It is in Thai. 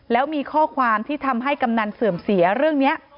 แล้วมีข้อความที่ทำให้กำนันเสื่อมเสียเรื่องนี้